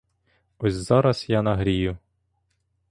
Ось зараз я нагрію.